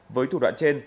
với thủ đoạn trên